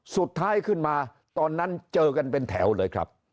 สุดท้ายขึ้นมาตอนนั้นเจอกันเป็นแถวเลยครับ